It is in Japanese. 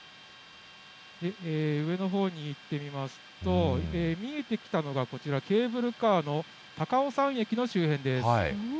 上のほうにいってみますと、見えてきたのがこちら、ケーブルカーの高尾山駅の周辺です。